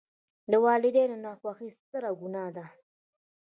د والداینو ناخوښي ستره ګناه ده.